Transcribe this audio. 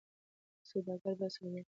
سوداګر باید صادق وي.